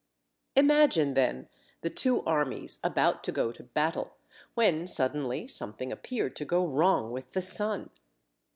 _] Imagine, then, the two armies about to go to battle when suddenly something appeared to go wrong with the sun.